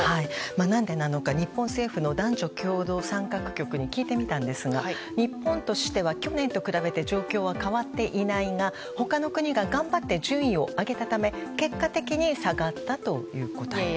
何でなのか日本政府の男女共同参画局に聞いてみたんですが日本としては去年と比べて状況は変わっていないが他の国が頑張って順位を上げたため結果的に下がったということです。